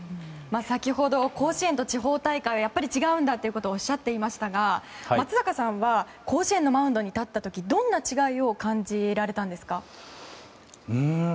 先ほど甲子園と地方大会はやっぱり違うんだということをおっしゃっていましたが松坂さんは甲子園のマウンドに立った時どんな違いを感じられたんですか？